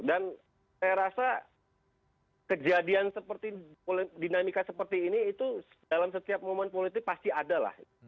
dan saya rasa kejadian seperti dinamika seperti ini itu dalam setiap momen politik pasti ada lah